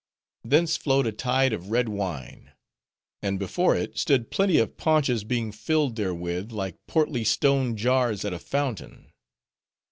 Thence flowed a tide of red wine. And before it, stood plenty of paunches being filled therewith like portly stone jars at a fountain.